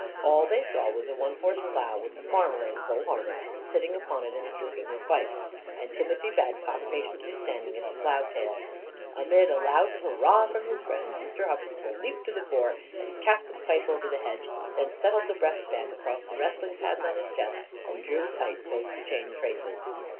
All they saw was a one horse plough with the farmer, in full harness, sitting upon it and smoking his pipe, and Timothy Badcock patiently standing at the plough tail. Amid a loud hurrah from his friends, Mr. Huxtable leaped to the fore, and cast his pipe over the hedge; then settled the breast band across the wrestling pads on his chest, and drew tight both the chain traces.